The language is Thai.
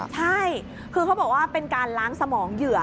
ใช่คือเขาบอกว่าเป็นการล้างสมองเหยื่อ